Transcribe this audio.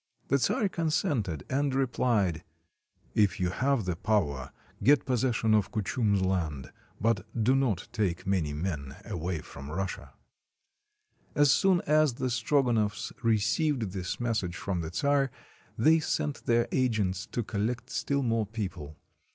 The czar consented, and replied: — "If you have the power, get possession of Kuchum's land. But do not take many men away from Russia." As soon as the Strogonoff s received this message from the czar, they sent their agents to collect still more people.